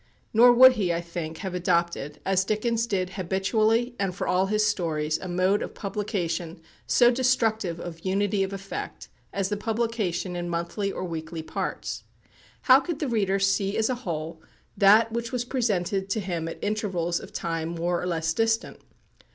Nor would he, I think, have adopted, as Dickens did habitually and for all his stories, a mode of publication so destructive of unity of effect, as the publication in monthly or weekly parts. How could the reader see as a whole that which was presented to him at intervals of time more or less distant?